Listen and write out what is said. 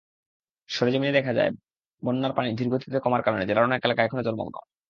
সরেজমিনে দেখা যায়, বন্যার পানি ধীরগতিতে কমার কারণে জেলার অনেক এলাকা এখনো জলমগ্ন।